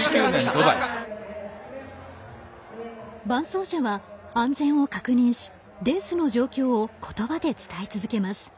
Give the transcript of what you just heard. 伴走者は安全を確認しレースの状況をことばで伝え続けます。